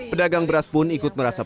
pedagang beras pun ikut merasa